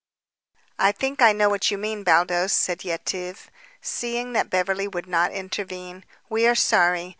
"I think I know what you mean, Baldos," said Yetive, seeing that Beverly would not intervene. "We are sorry.